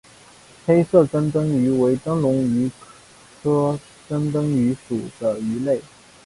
黑色珍灯鱼为灯笼鱼科珍灯鱼属的鱼类。